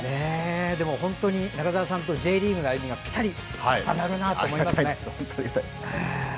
でも、本当に中澤さんとＪリーグの歩みぴたり重なるなと。